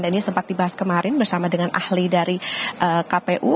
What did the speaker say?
dan ini sempat dibahas kemarin bersama dengan ahli dari kpu